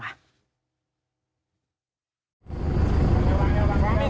อยู่อยู่อยู่